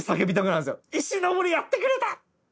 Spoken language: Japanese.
「石森やってくれた！